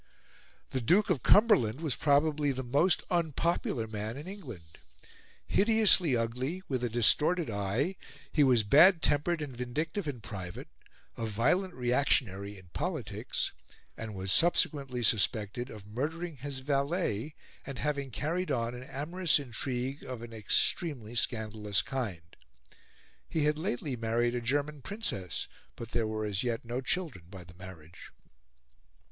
The Duke of Cumberland was probably the most unpopular man in England. Hideously ugly, with a distorted eye, he was bad tempered and vindictive in private, a violent reactionary in politics, and was subsequently suspected of murdering his valet and of having carried on an amorous intrigue of an extremely scandalous kind. He had lately married a German Princess, but there were as yet no children by the marriage.